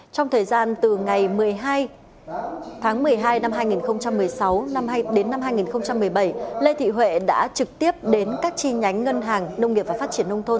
trong thời gian từ ngày một mươi hai tháng một mươi hai năm hai nghìn một mươi sáu hai nghìn một mươi bảy lê thị huệ đã trực tiếp đến các chi nhánh ngân hàng nông nghiệp và phát triển nông thôn